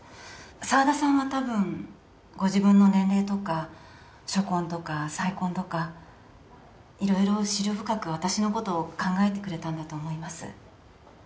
沢田さんはたぶんご自分の年齢とか初婚とか再婚とか色々思慮深く私のことを考えてくれたんだと思います